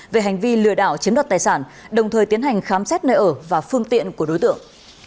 về hành vi lừa đảo chiếm đoạt tài sản đồng thời tiến hành khám xét nơi ở và phương tiện của đối tượng